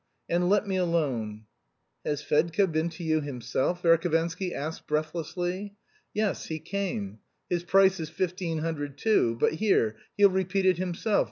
And let me alone." "Has Fedka been to you himself?" Verhovensky asked breathlessly. "Yes, he came. His price is fifteen hundred too.... But here; he'll repeat it himself.